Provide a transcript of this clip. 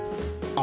あ！